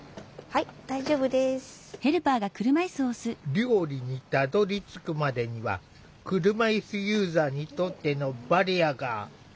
料理にたどりつくまでには車いすユーザーにとってのバリアが。